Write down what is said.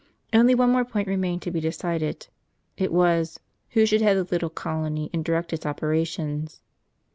Only one more point remained to be decided : it was, who should head the little colony, and direct its operations.